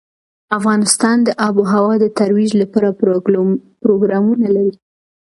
افغانستان د آب وهوا د ترویج لپاره پروګرامونه لري.